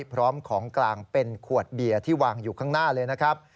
พร้อมของกลางเป็นขวดเบียร์ที่วางอยู่ข้างหน้าเลยนะครับ